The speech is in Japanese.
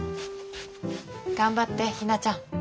頑張ってひなちゃん。